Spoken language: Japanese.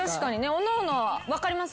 おのおの分かります？